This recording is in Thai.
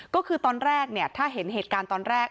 ก็คือตอนแรกเนี่ยถ้าเห็นเหตุการณ์ตอนแรก